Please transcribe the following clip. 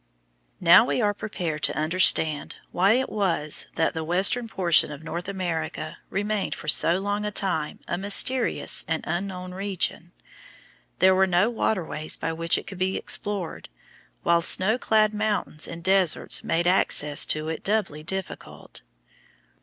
Now we are prepared to understand why it was that the western portion of North America remained for so long a time a mysterious and unknown region. There were no waterways by which it could be explored, while snow clad mountains and deserts made access to it doubly difficult.